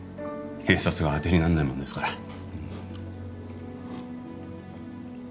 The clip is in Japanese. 警察が当てにならないもんですから。